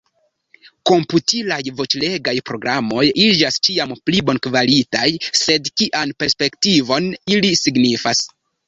Komputilaj voĉlegaj programoj iĝas ĉiam pli bonkvalitaj, sed kian perspektivon ili signifas?